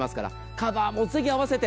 カバーも、ぜひ合わせて。